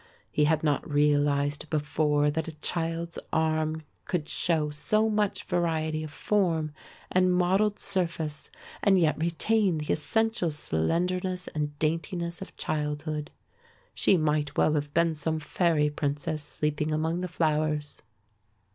He had not realised before that a child's arm could show so much variety of form and modelled surface and yet retain the essential slenderness and daintiness of childhood. She might well have been some fairy princess sleeping among the flowers.